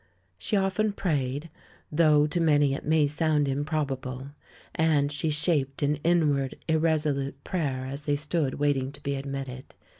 She often ])rayed, though to many it may sound improbable; and she shaped an inward, irresolute prayer as they stood waiting to be admitted.